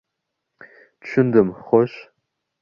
— Tushundim, xo‘sh?